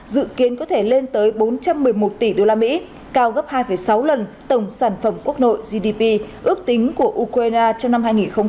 dự kiến có thể lên tới bốn trăm một mươi một tỷ usd cao gấp hai sáu lần tổng sản phẩm quốc nội gdp ước tính của ukraine trong năm hai nghìn hai mươi